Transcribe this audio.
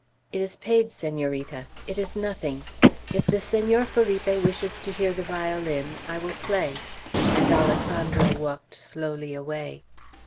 "It is paid, Senorita. It is nothing. If the Senor Felipe wishes to hear the violin, I will play;" and Alessandro walked slowly away.